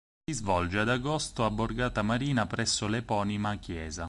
Si svolge ad agosto a Borgata Marina presso l'eponima chiesa.